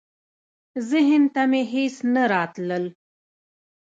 ذهن ته مي هیڅ نه راتلل .